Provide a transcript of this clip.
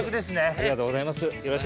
ありがとうございます。